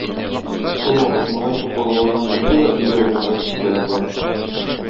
Шул вакыт малай сукалавыннан туктый да өйләренә кайтып китәләр болар.